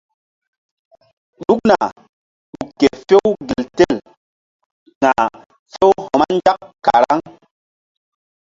Ɗukna ɗuk ke few gel tel ka̧h few-vba nzak karaŋ.